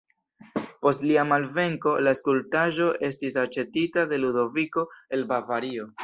Post lia malvenko, la skulptaĵo estis aĉetita de Ludoviko el Bavario.